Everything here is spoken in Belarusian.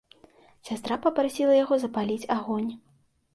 Сястра папрасіла яго запаліць агонь.